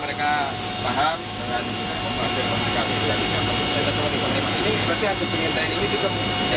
mereka paham dengan kompetensi komunikasi yang dikonsumsi